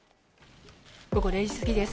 午後０時過ぎです。